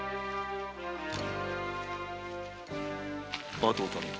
あとを頼む。